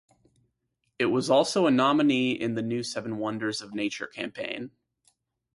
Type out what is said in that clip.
It was also a nominee in the New Seven Wonders of Nature campaign.